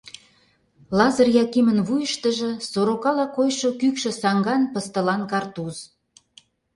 Лазыр Якимын вуйыштыжо сорокала койшо кӱкшӧ саҥган пыстылан картуз.